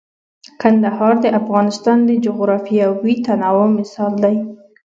کندهار د افغانستان د جغرافیوي تنوع مثال دی.